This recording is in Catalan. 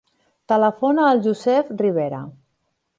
Telefona al Youssef Ribera.